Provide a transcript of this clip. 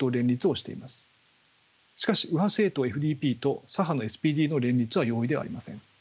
しかし右派政党ＦＤＰと左派のＳＰＤの連立は容易ではありません。